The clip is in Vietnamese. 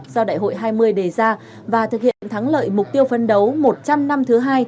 do đại hội hai mươi đề ra và thực hiện thắng lợi mục tiêu phân đấu một trăm linh năm thứ hai